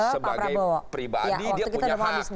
sebagai pribadi dia punya hak